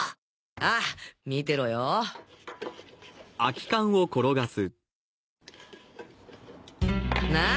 ああ見てろよ。な？